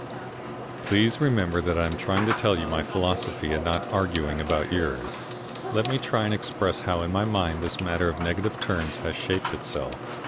Please remember that I am trying to tell you my philosophy, and not arguing about yours. Let me try and express how in my mind this matter of negative terms has shaped itself.